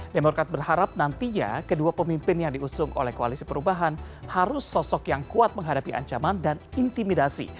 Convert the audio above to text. demokrat berharap nantinya kedua pemimpin yang diusung oleh koalisi perubahan harus sosok yang kuat menghadapi ancaman dan intimidasi